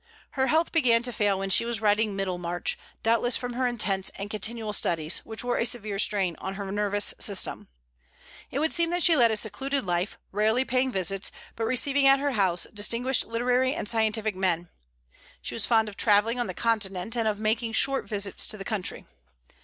Her health began to fail when she was writing "Middlemarch," doubtless from her intense and continual studies, which were a severe strain on her nervous system. It would seem that she led a secluded life, rarely paying visits, but receiving at her house distinguished literary and scientific men. She was fond of travelling on the Continent, and of making short visits to the country.